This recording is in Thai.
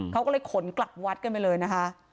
เขาก็เลยขนกลับวัดกันไปเลยนะคะ